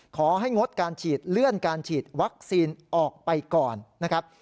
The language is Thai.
ขอให้งดการฉีดเลื่อนการฉีดวัคซีนออกไปก่อนนะครับ